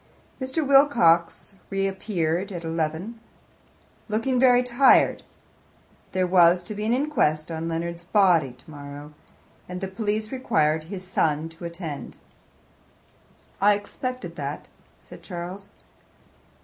Mr. Wilcox reappeared at eleven, looking very tired. There was to be an inquest on Leonard's' body tomorrow, and the police required his son to attend. "I expected that," said Charles.